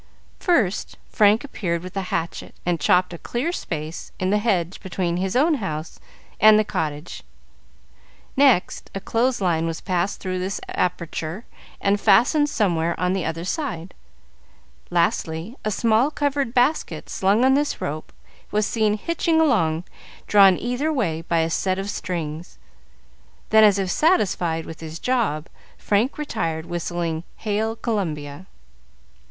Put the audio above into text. First, Frank appeared with a hatchet and chopped a clear space in the hedge between his own house and the cottage; next, a clothes line was passed through this aperture and fastened somewhere on the other side; lastly, a small covered basket, slung on this rope, was seen hitching along, drawn either way by a set of strings; then, as if satisfied with his job, Frank retired, whistling "Hail Columbia."